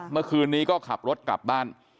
เมื่อคืนนี้ก็ขับรถกลับบ้าน